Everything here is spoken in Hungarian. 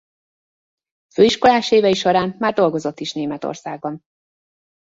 Főiskolás évei során már dolgozott is Németországban.